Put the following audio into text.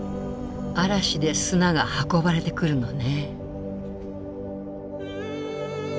嵐で砂が運ばれてくるのね。